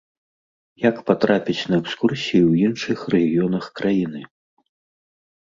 Як патрапіць на экскурсіі ў іншых рэгіёнах краіны?